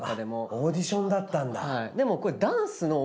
オーディションだったんだ。